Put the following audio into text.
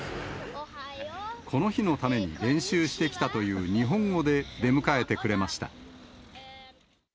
この日のために練習してきたという日本語で出迎えてくれました。